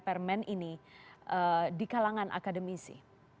permen ini di kalangan akademisi